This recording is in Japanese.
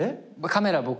カメラ僕。